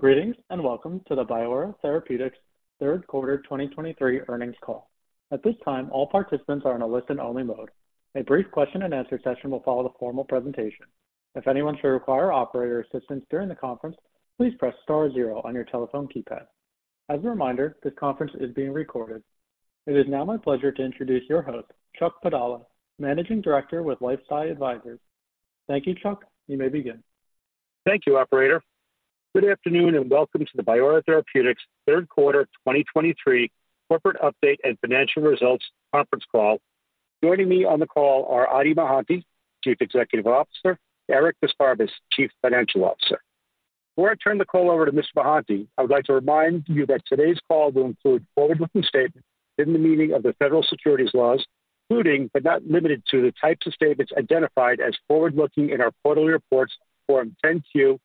Greetings, and welcome to the Biora Therapeutics Third Quarter 2023 Earnings Call. At this time, all participants are in a listen-only mode. A brief question-and-answer session will follow the formal presentation. If anyone should require operator assistance during the conference, please press star zero on your telephone keypad. As a reminder, this conference is being recorded. It is now my pleasure to introduce your host, Chuck Padala, Managing Director with LifeSci Advisors. Thank you, Chuck. You may begin. Thank you, operator. Good afternoon, and welcome to the Biora Therapeutics Third Quarter 2023 Corporate Update and Financial Results Conference Call. Joining me on the call are Adi Mohanty, Chief Executive Officer, Eric d'Esparbes, Chief Financial Officer. Before I turn the call over to Mr. Mohanty, I would like to remind you that today's call will include forward-looking statements in the meaning of the federal securities laws, including, but not limited to, the types of statements identified as forward-looking in our quarterly reports, Form 10-Q,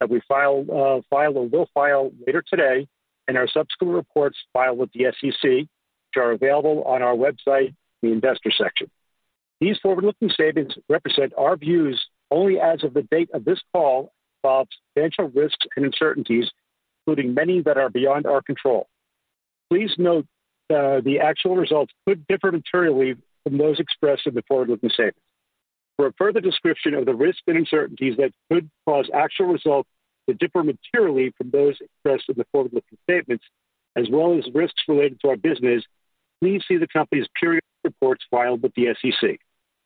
that we filed and will file later today, and our subsequent reports filed with the SEC, which are available on our website, the Investor section. These forward-looking statements represent our views only as of the date of this call, involve substantial risks and uncertainties, including many that are beyond our control. Please note that the actual results could differ materially from those expressed in the forward-looking statements. For a further description of the risks and uncertainties that could cause actual results to differ materially from those expressed in the forward-looking statements, as well as risks related to our business, please see the company's periodic reports filed with the SEC.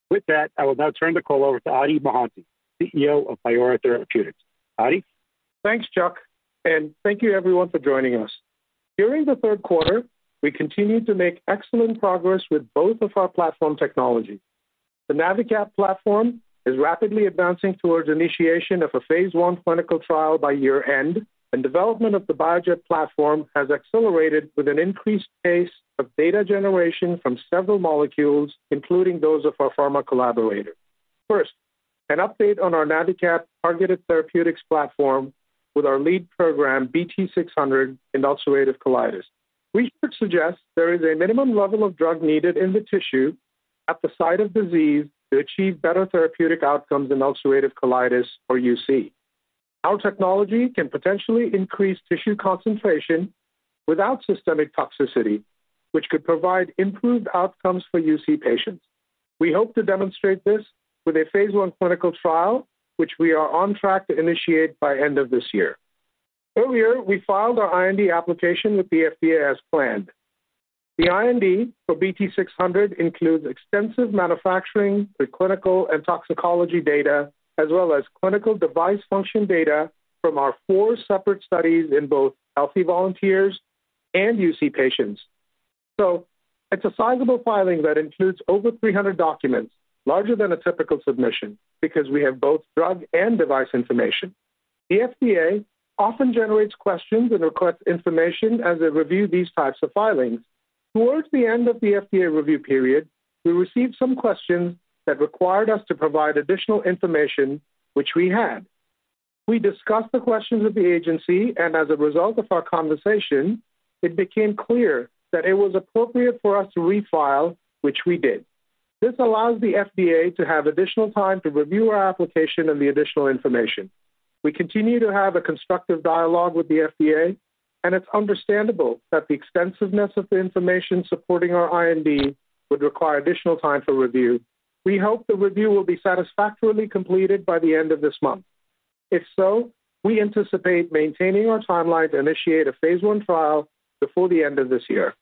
With that, I will now turn the call over to Adi Mohanty, CEO of Biora Therapeutics. Adi? Thanks, Chuck, and thank you everyone for joining us. During the third quarter, we continued to make excellent progress with both of our platform technologies. The NaviCap platform is rapidly advancing towards initiation of a phase I clinical trial by year-end, and development of the BioJet platform has accelerated with an increased pace of data generation from several molecules, including those of our pharma collaborator. First, an update on our NaviCap targeted therapeutics platform with our lead program, BT-600, in ulcerative colitis. Research suggests there is a minimum level of drug needed in the tissue at the site of disease to achieve better therapeutic outcomes in ulcerative colitis or UC. Our technology can potentially increase tissue concentration without systemic toxicity, which could provide improved outcomes for UC patients. We hope to demonstrate this with a phase I clinical trial, which we are on track to initiate by end of this year. Earlier, we filed our IND application with the FDA as planned. The IND for BT-600 includes extensive manufacturing for clinical and toxicology data, as well as clinical device function data from our four separate studies in both healthy volunteers and UC patients. So it's a sizable filing that includes over 300 documents, larger than a typical submission, because we have both drug and device information. The FDA often generates questions and requests information as they review these types of filings. Towards the end of the FDA review period, we received some questions that required us to provide additional information, which we had. We discussed the questions with the agency and as a result of our conversation, it became clear that it was appropriate for us to refile, which we did. This allows the FDA to have additional time to review our application and the additional information. We continue to have a constructive dialogue with the FDA, and it's understandable that the extensiveness of the information supporting our IND would require additional time for review. We hope the review will be satisfactorily completed by the end of this month. If so, we anticipate maintaining our timeline to initiate a phase I trial before the end of this year.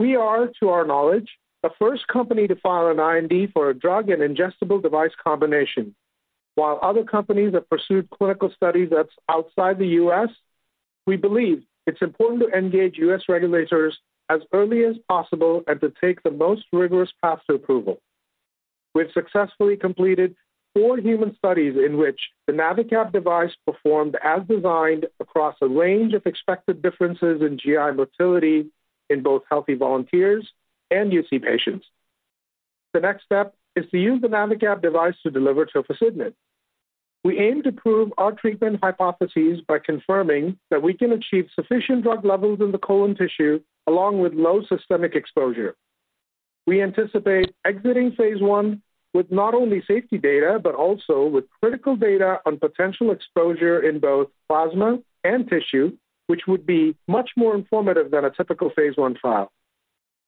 We are, to our knowledge, the first company to file an IND for a drug and ingestible device combination. While other companies have pursued clinical studies that's outside the U.S., we believe it's important to engage U.S. regulators as early as possible and to take the most rigorous path to approval. We've successfully completed four human studies in which the NaviCap device performed as designed across a range of expected differences in GI motility in both healthy volunteers and UC patients. The next step is to use the NaviCap device to deliver tocilizumab. We aim to prove our treatment hypotheses by confirming that we can achieve sufficient drug levels in the colon tissue, along with low systemic exposure. We anticipate exiting phase I with not only safety data, but also with critical data on potential exposure in both plasma and tissue, which would be much more informative than a typical phase I trial.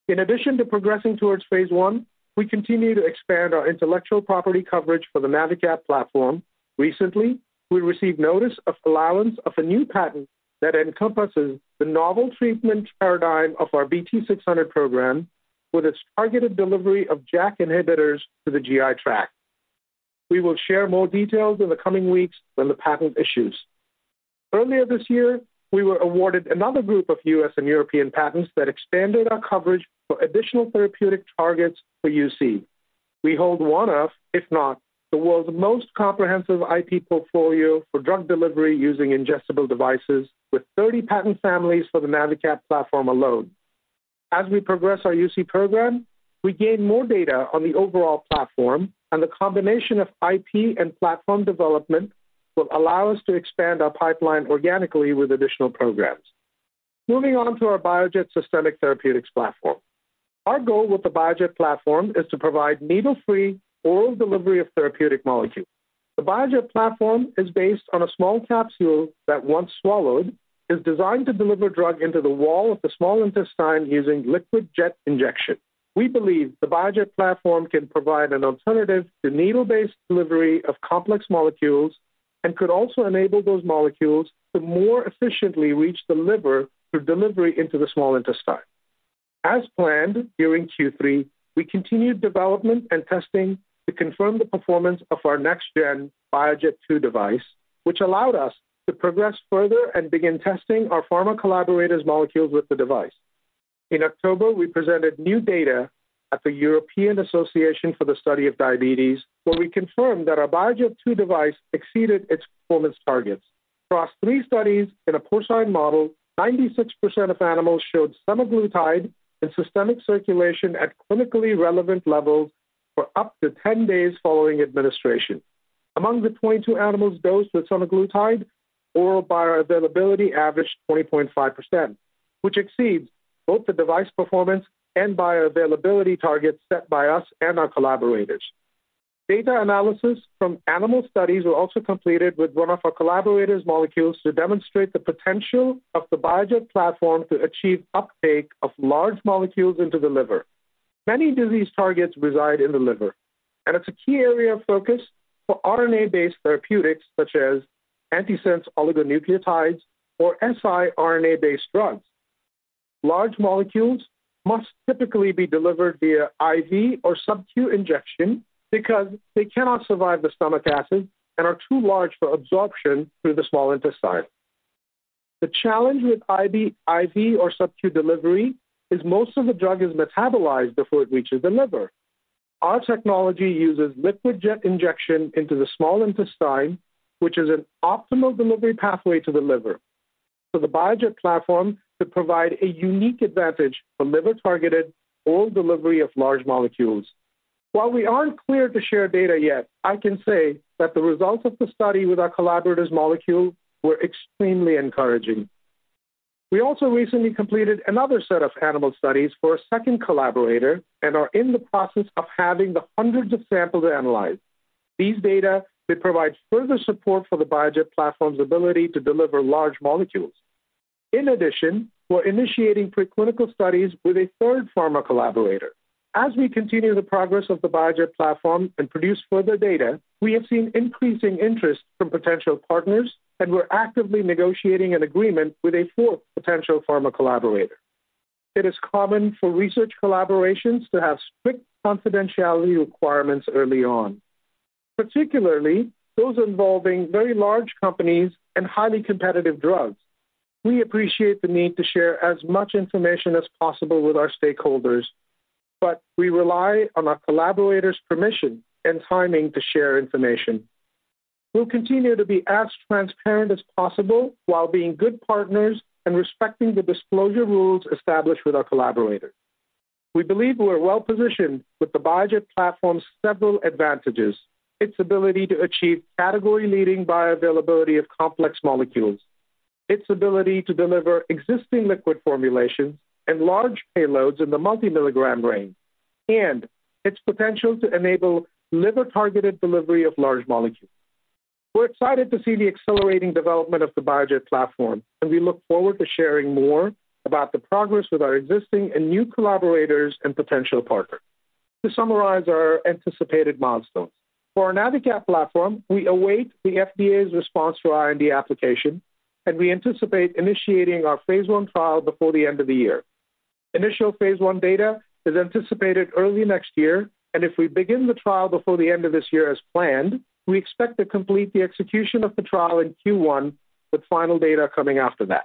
In addition to progressing towards phase I, we continue to expand our intellectual property coverage for the NaviCap platform. Recently, we received notice of allowance of a new patent that encompasses the novel treatment paradigm of our BT-600 program, with its targeted delivery of JAK inhibitors to the GI tract. We will share more details in the coming weeks when the patent issues. Earlier this year, we were awarded another group of U.S. and European patents that expanded our coverage for additional therapeutic targets for UC. We hold one of, if not, the world's most comprehensive IP portfolio for drug delivery using ingestible devices, with 30 patent families for the NaviCap platform alone. As we progress our UC program, we gain more data on the overall platform, and the combination of IP and platform development will allow us to expand our pipeline organically with additional programs. Moving on to our BioJet systemic therapeutics platform. Our goal with the BioJet platform is to provide needle-free oral delivery of therapeutic molecules. The BioJet platform is based on a small capsule that, once swallowed, is designed to deliver drug into the wall of the small intestine using liquid jet injection. We believe the BioJet platform can provide an alternative to needle-based delivery of complex molecules and could also enable those molecules to more efficiently reach the liver through delivery into the small intestine. As planned, during Q3, we continued development and testing to confirm the performance of our next-gen BioJet 2 device, which allowed us to progress further and begin testing our pharma collaborators' molecules with the device. In October, we presented new data at the European Association for the Study of Diabetes, where we confirmed that our BioJet 2 device exceeded its performance targets. Across three studies in a porcine model, 96% of animals showed semaglutide and systemic circulation at clinically relevant levels for up to 10 days following administration. Among the 22 animals dosed with semaglutide, oral bioavailability averaged 20.5%, which exceeds both the device performance and bioavailability targets set by us and our collaborators. Data analysis from animal studies were also completed with one of our collaborators' molecules to demonstrate the potential of the BioJet platform to achieve uptake of large molecules into the liver. Many disease targets reside in the liver, and it's a key area of focus for RNA-based therapeutics such as antisense oligonucleotides or siRNA-based drugs. Large molecules must typically be delivered via IV or subQ injection because they cannot survive the stomach acid and are too large for absorption through the small intestine. The challenge with IV, IV or subQ delivery is most of the drug is metabolized before it reaches the liver. Our technology uses liquid jet injection into the small intestine, which is an optimal delivery pathway to the liver, for the BioJet platform to provide a unique advantage for liver-targeted oral delivery of large molecules. While we aren't clear to share data yet, I can say that the results of the study with our collaborators' molecule were extremely encouraging. We also recently completed another set of animal studies for a second collaborator and are in the process of having the hundreds of samples analyzed. These data, they provide further support for the BioJet platform's ability to deliver large molecules. In addition, we're initiating preclinical studies with a third pharma collaborator. As we continue the progress of the BioJet platform and produce further data, we have seen increasing interest from potential partners, and we're actively negotiating an agreement with a fourth potential pharma collaborator. It is common for research collaborations to have strict confidentiality requirements early on, particularly those involving very large companies and highly competitive drugs. We appreciate the need to share as much information as possible with our stakeholders, but we rely on our collaborators' permission and timing to share information. We'll continue to be as transparent as possible while being good partners and respecting the disclosure rules established with our collaborators. We believe we're well-positioned with the BioJet platform's several advantages: its ability to achieve category-leading bioavailability of complex molecules, its ability to deliver existing liquid formulations and large payloads in the multi-milligram range, and its potential to enable liver-targeted delivery of large molecules. We're excited to see the accelerating development of the BioJet platform, and we look forward to sharing more about the progress with our existing and new collaborators and potential partners. To summarize our anticipated milestones, for our NaviCap platform, we await the FDA's response to our IND application, and we anticipate initiating our phase I trial before the end of the year. Initial phase I data is anticipated early next year, and if we begin the trial before the end of this year as planned, we expect to complete the execution of the trial in Q1, with final data coming after that.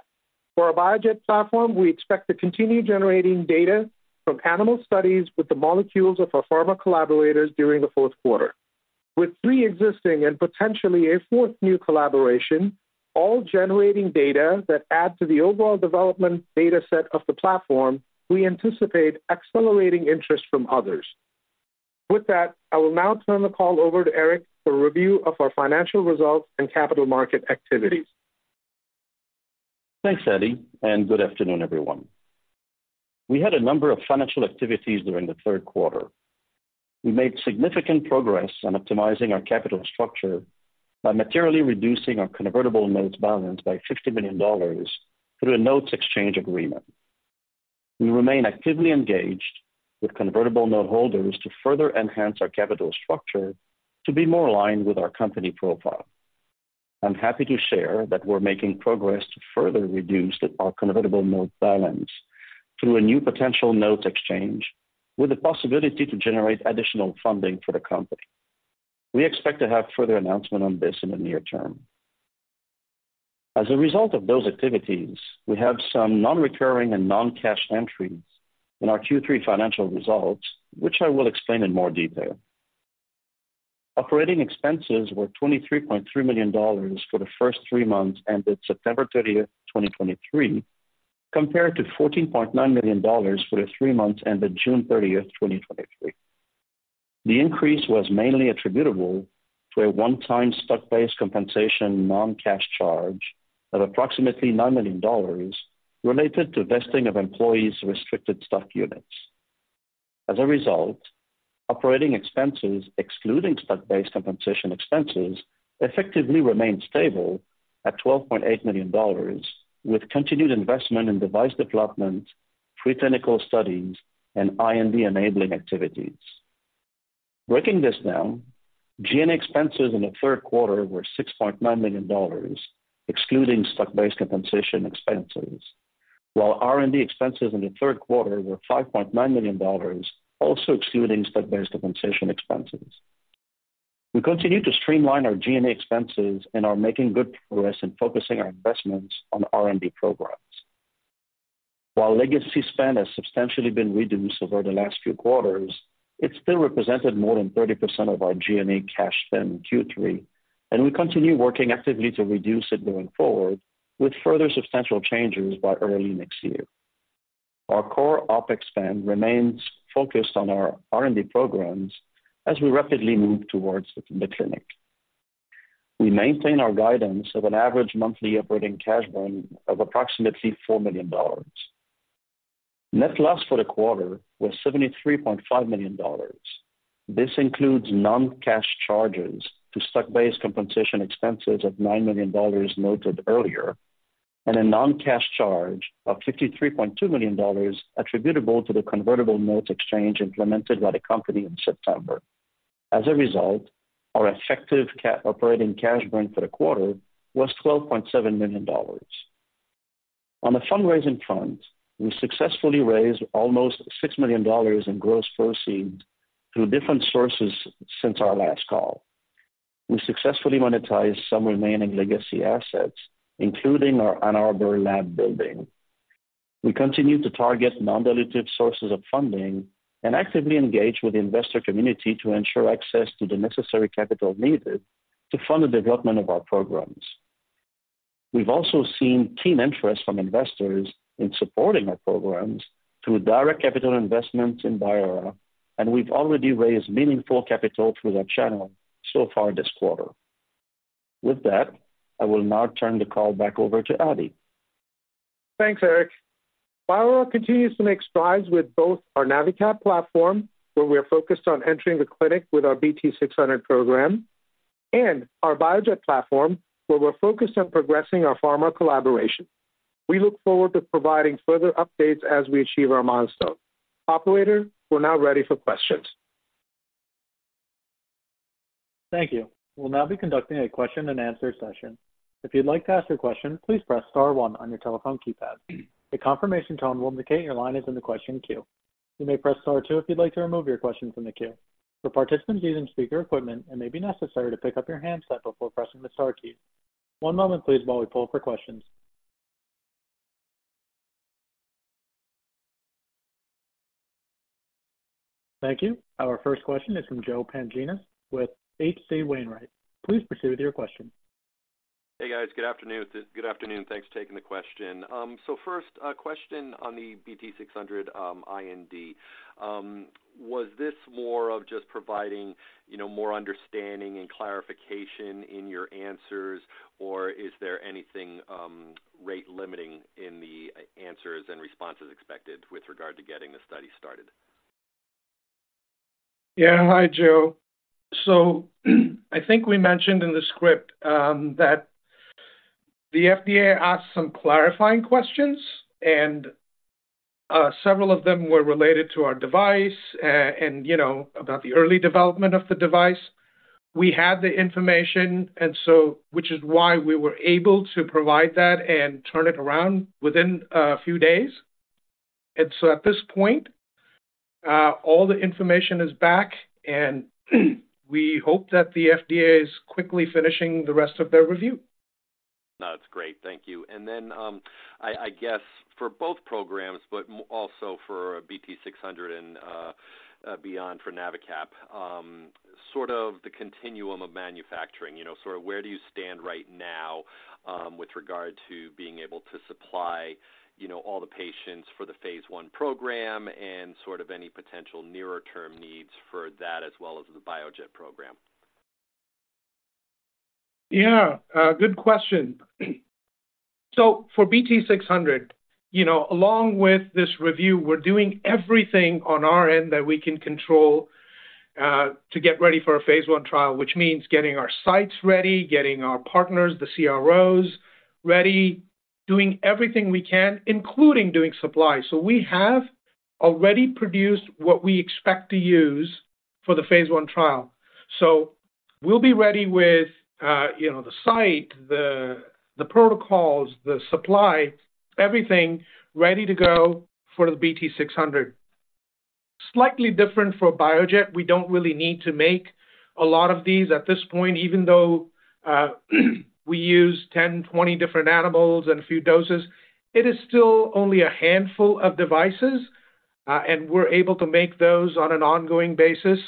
For our BioJet platform, we expect to continue generating data from animal studies with the molecules of our pharma collaborators during the fourth quarter. With three existing and potentially a fourth new collaboration, all generating data that add to the overall development data set of the platform, we anticipate accelerating interest from others. With that, I will now turn the call over to Eric for a review of our financial results and capital market activities. Thanks, Adi, and good afternoon, everyone. We had a number of financial activities during the third quarter. We made significant progress on optimizing our capital structure by materially reducing our convertible notes balance by $60 million through a notes exchange agreement. We remain actively engaged with convertible note holders to further enhance our capital structure to be more aligned with our company profile. I'm happy to share that we're making progress to further reduce our convertible note balance through a new potential note exchange, with the possibility to generate additional funding for the company. We expect to have further announcement on this in the near term. As a result of those activities, we have some non-recurring and non-cash entries in our Q3 financial results, which I will explain in more detail. Operating expenses were $23.3 million for the first three months ended September 30th, 2023, compared to $14.9 million for the three months ended June 30th, 2023. The increase was mainly attributable to a one-time stock-based compensation non-cash charge of approximately $9 million, related to vesting of employees' restricted stock units. As a result, operating expenses, excluding stock-based compensation expenses, effectively remained stable at $12.8 million, with continued investment in device development, pre-clinical studies, and IND-enabling activities. Breaking this down, G&A expenses in the third quarter were $6.9 million, excluding stock-based compensation expenses, while R&D expenses in the third quarter were $5.9 million, also excluding stock-based compensation expenses. We continue to streamline our G&A expenses and are making good progress in focusing our investments on R&D programs. While legacy spend has substantially been reduced over the last few quarters, it still represented more than 30% of our G&A cash spend in Q3, and we continue working actively to reduce it going forward, with further substantial changes by early next year. Our core OpEx spend remains focused on our R&D programs as we rapidly move towards the clinic. We maintain our guidance of an average monthly operating cash burn of approximately $4 million. Net loss for the quarter was $73.5 million. This includes non-cash charges to stock-based compensation expenses of $9 million noted earlier, and a non-cash charge of $53.2 million attributable to the convertible notes exchange implemented by the company in September. As a result, our effective operating cash burn for the quarter was $12.7 million. On the fundraising front, we successfully raised almost $6 million in gross proceeds through different sources since our last call. We successfully monetized some remaining legacy assets, including our Ann Arbor lab building. We continue to target non-dilutive sources of funding and actively engage with the investor community to ensure access to the necessary capital needed to fund the development of our programs. We've also seen keen interest from investors in supporting our programs through direct capital investments in Biora, and we've already raised meaningful capital through that channel so far this quarter. With that, I will now turn the call back over to Adi. Thanks, Eric. Biora continues to make strides with both our NaviCap platform, where we are focused on entering the clinic with our BT-600 program, and our BioJet platform, where we're focused on progressing our pharma collaboration. We look forward to providing further updates as we achieve our milestones. Operator, we're now ready for questions. Thank you. We'll now be conducting a question-and-answer session. If you'd like to ask a question, please press star one on your telephone keypad. A confirmation tone will indicate your line is in the question queue. You may press star two if you'd like to remove your question from the queue. For participants using speaker equipment, it may be necessary to pick up your handset before pressing the star key. One moment please while we poll for questions. Thank you. Our first question is from Joe Pantginis with H.C. Wainwright. Please proceed with your question. Hey, guys. Good afternoon. Good afternoon. Thanks for taking the question. So first, a question on the BT-600, IND. Was this more of just providing, you know, more understanding and clarification in your answers? Or is there anything, rate limiting in the answers and responses expected with regard to getting the study started? Yeah. Hi, Joe. So I think we mentioned in the script that the FDA asked some clarifying questions, and several of them were related to our device, and you know, about the early development of the device. We had the information and so, which is why we were able to provide that and turn it around within a few days. And so at this point, all the information is back and we hope that the FDA is quickly finishing the rest of their review. No, that's great. Thank you. And then, I guess for both programs, but also for BT-600 and beyond for NaviCap, sort of the continuum of manufacturing. You know, sort of where do you stand right now, with regard to being able to supply, you know, all the patients for the phase I program and sort of any potential nearer term needs for that, as well as the BioJet program? Yeah, good question. So for BT-600, you know, along with this review, we're doing everything on our end that we can control, to get ready for a phase I trial, which means getting our sites ready, getting our partners, the CROs ready, doing everything we can, including doing supply. So we have already produced what we expect to use for the phase I trial. So we'll be ready with, you know, the site, the protocols, the supply, everything ready to go for the BT-600. Slightly different for BioJet. We don't really need to make a lot of these at this point, even though, we use 10, 20 different animals and a few doses, it is still only a handful of devices, and we're able to make those on an ongoing basis.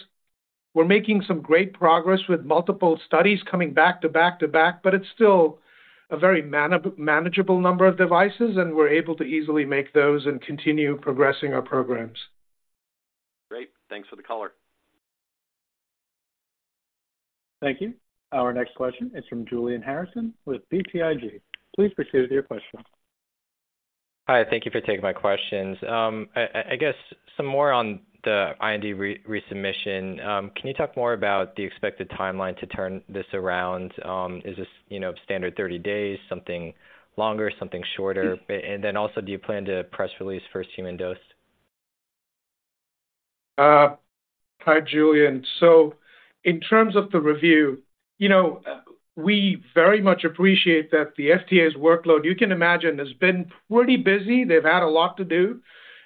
We're making some great progress with multiple studies coming back to back to back, but it's still a very manageable number of devices, and we're able to easily make those and continue progressing our programs. Great. Thanks for the color. Thank you. Our next question is from Julian Harrison with BTIG. Please proceed with your question. Hi, thank you for taking my questions. I guess some more on the IND re-resubmission. Can you talk more about the expected timeline to turn this around? Is this, you know, standard 30 days, something longer, something shorter? And then also, do you plan to press release first human dose? Hi, Julian. So in terms of the review, you know, we very much appreciate that the FDA's workload, you know, has been pretty busy. They've had a lot to do,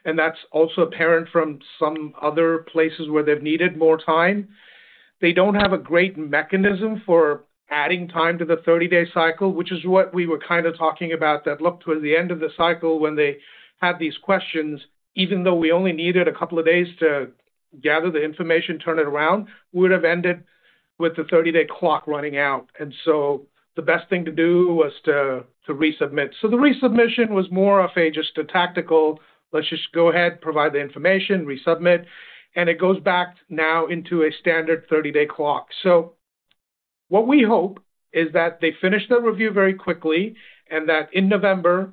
and that's also apparent from some other places where they've needed more time. They don't have a great mechanism for adding time to the 30-day cycle, which is what we were kinda talking about, that look toward the end of the cycle when they had these questions, even though we only needed a couple of days to gather the information, turn it around, would have ended with the 30-day clock running out. And so the best thing to do was to resubmit. So the resubmission was more of a, just a tactical, let's just go ahead, provide the information, resubmit, and it goes back now into a standard 30-day clock. So what we hope is that they finish the review very quickly and that in November,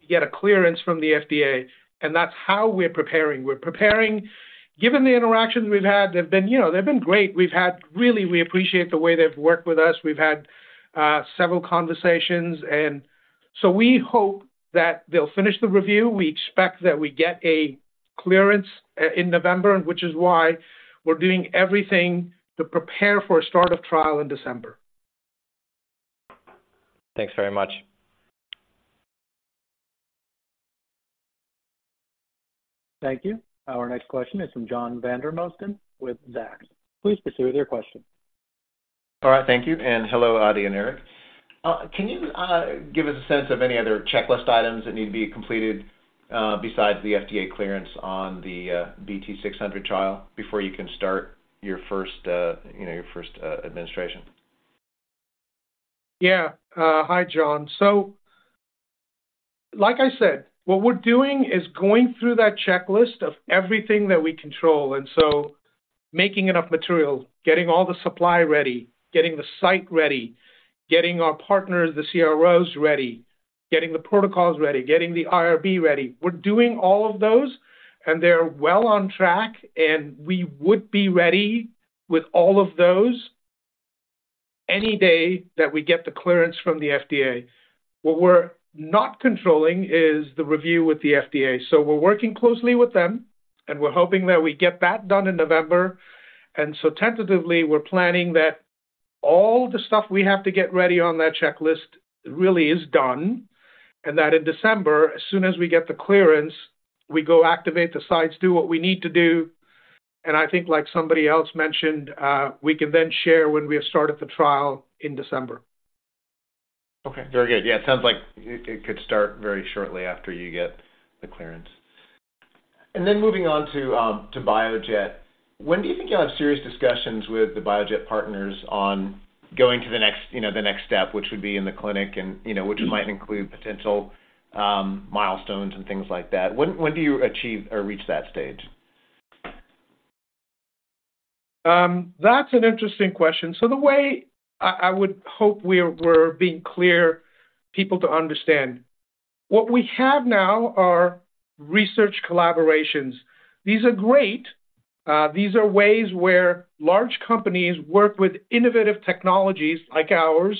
we get a clearance from the FDA, and that's how we're preparing. We're preparing. Given the interactions we've had, they've been, you know, they've been great. We've had really, we appreciate the way they've worked with us. We've had several conversations, and so we hope that they'll finish the review. We expect that we get a clearance in November, which is why we're doing everything to prepare for a start of trial in December. Thanks very much. Thank you. Our next question is from John Vandermosten with Zacks. Please proceed with your question. All right, thank you, and hello, Adi and Eric. Can you give us a sense of any other checklist items that need to be completed, besides the FDA clearance on the BT-600 trial before you can start your first, you know, your first administration? Yeah. Hi, John. So, like I said, what we're doing is going through that checklist of everything that we control, and so making enough material, getting all the supply ready, getting the site ready, getting our partners, the CROs, ready, getting the protocols ready, getting the IRB ready. We're doing all of those, and they're well on track, and we would be ready with all of those any day that we get the clearance from the FDA. What we're not controlling is the review with the FDA. So we're working closely with them, and we're hoping that we get that done in November. So tentatively, we're planning that all the stuff we have to get ready on that checklist really is done, and that in December, as soon as we get the clearance, we go activate the sites, do what we need to do, and I think like somebody else mentioned, we can then share when we have started the trial in December. Okay, very good. Yeah, it sounds like it could start very shortly after you get the clearance. And then moving on to BioJet, when do you think you'll have serious discussions with the BioJet partners on going to the next, you know, the next step, which would be in the clinic and, you know, which might include potential milestones and things like that? When do you achieve or reach that stage? That's an interesting question. So the way I would hope we're being clear people to understand, what we have now are research collaborations. These are great. These are ways where large companies work with innovative technologies like ours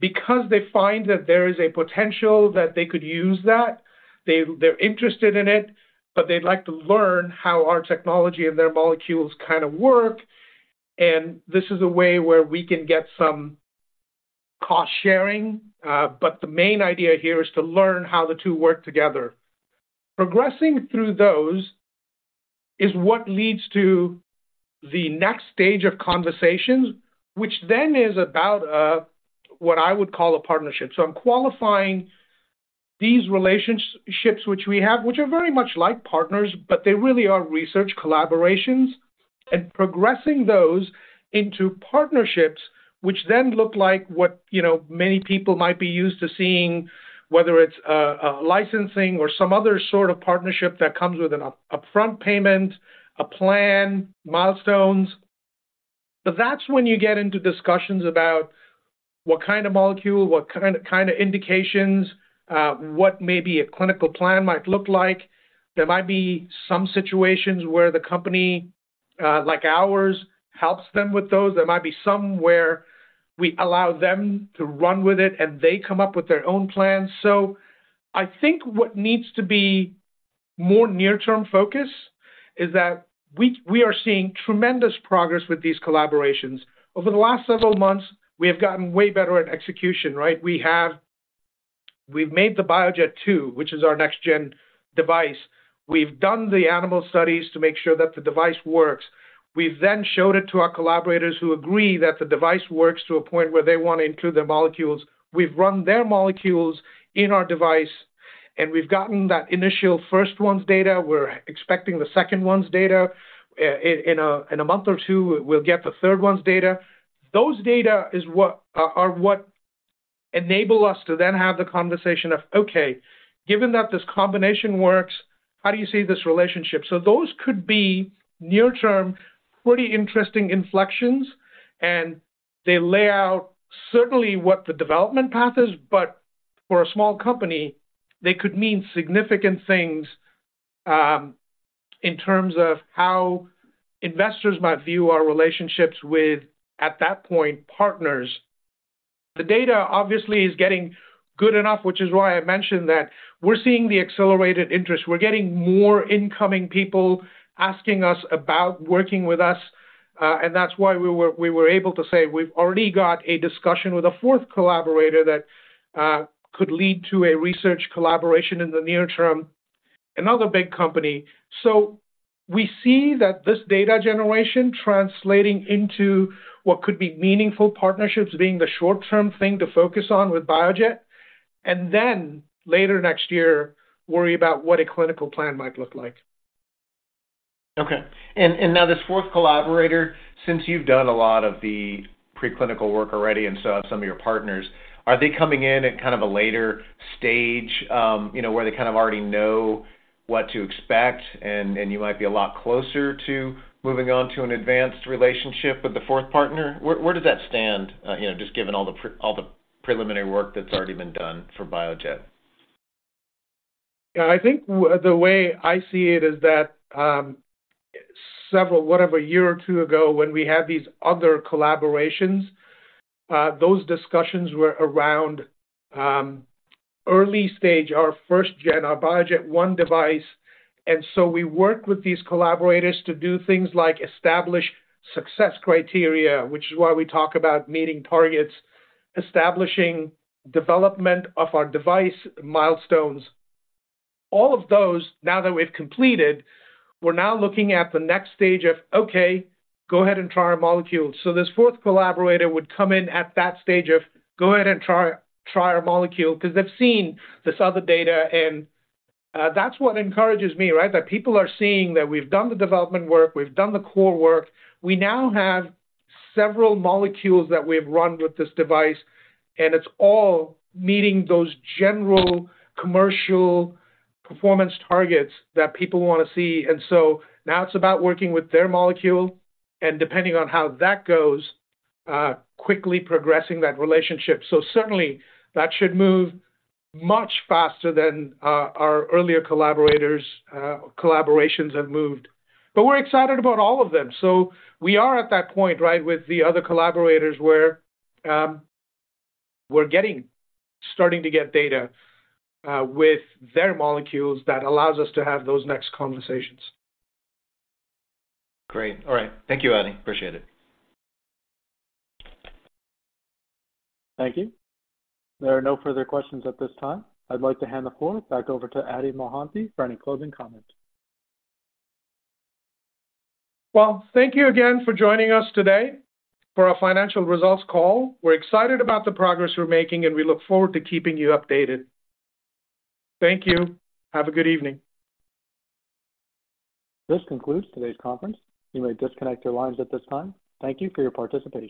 because they find that there is a potential that they could use, they're interested in it, but they'd like to learn how our technology and their molecules kind of work, and this is a way where we can get some cost-sharing. But the main idea here is to learn how the two work together. Progressing through those is what leads to the next stage of conversations, which then is about what I would call a partnership. So I'm qualifying these relationships which we have, which are very much like partners, but they really are research collaborations and progressing those into partnerships which then look like what, you know, many people might be used to seeing, whether it's a licensing or some other sort of partnership that comes with an upfront payment, a plan, milestones. But that's when you get into discussions about what kind of molecule, what kind of indications, what maybe a clinical plan might look like. There might be some situations where the company like ours helps them with those. There might be some where we allow them to run with it, and they come up with their own plans. So I think what needs to be more near-term focus is that we are seeing tremendous progress with these collaborations. Over the last several months, we have gotten way better at execution, right? We've made the BioJet 2, which is our next gen device. We've done the animal studies to make sure that the device works. We've then showed it to our collaborators, who agree that the device works to a point where they want to include their molecules. We've run their molecules in our device, and we've gotten that initial first one's data. We're expecting the second one's data. In a month or two, we'll get the third one's data. Those data are what enable us to then have the conversation of, okay, given that this combination works, how do you see this relationship? So those could be near term, pretty interesting inflections, and they lay out certainly what the development path is, but for a small company, they could mean significant things in terms of how investors might view our relationships with, at that point, partners. The data, obviously, is getting good enough, which is why I mentioned that we're seeing the accelerated interest. We're getting more incoming people asking us about working with us, and that's why we were able to say we've already got a discussion with a fourth collaborator that could lead to a research collaboration in the near term, another big company. So we see that this data generation translating into what could be meaningful partnerships being the short-term thing to focus on with BioJet, and then later next year, worry about what a clinical plan might look like. Okay. And now this fourth collaborator, since you've done a lot of the preclinical work already and so have some of your partners, are they coming in at kind of a later stage, you know, where they kind of already know what to expect and you might be a lot closer to moving on to an advanced relationship with the fourth partner? Where does that stand, you know, just given all the preliminary work that's already been done for BioJet? Yeah, I think the way I see it is that, several, whatever, a year or two ago, when we had these other collaborations, those discussions were around, early stage, our first gen, our BioJet one device. And so we worked with these collaborators to do things like establish success criteria, which is why we talk about meeting targets, establishing development of our device milestones. All of those, now that we've completed, we're now looking at the next stage of, okay, go ahead and try our molecule. So this fourth collaborator would come in at that stage of go ahead and try, try our molecule, 'cause they've seen this other data, and, that's what encourages me, right? That people are seeing that we've done the development work, we've done the core work. We now have several molecules that we've run with this device, and it's all meeting those general commercial performance targets that people wanna see. So now it's about working with their molecule and, depending on how that goes, quickly progressing that relationship. So certainly, that should move much faster than our earlier collaborators, collaborations have moved. But we're excited about all of them. So we are at that point, right, with the other collaborators, where we're starting to get data with their molecules that allows us to have those next conversations. Great. All right. Thank you, Adi. Appreciate it. Thank you. There are no further questions at this time. I'd like to hand the floor back over to Adi Mohanty for any closing comments. Well, thank you again for joining us today for our financial results call. We're excited about the progress we're making, and we look forward to keeping you updated. Thank you. Have a good evening. This concludes today's conference. You may disconnect your lines at this time. Thank you for your participation.